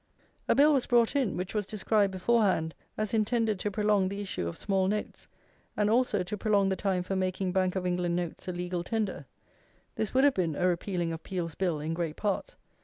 A Bill was brought in, which was described beforehand as intended to prolong the issue of small notes, and also to prolong the time for making Bank of England notes a legal tender. This would have been a repealing of Peel's Bill in great part.